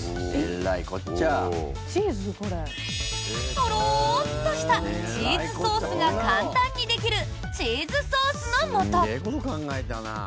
とろっとしたチーズソースが簡単にできるチーズソースのもと！